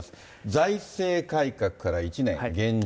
財政改革から１年。